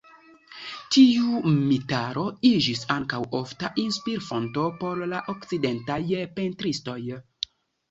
Tiu mitaro iĝis ankaŭ ofta inspir-fonto por la okcidentaj pentristoj.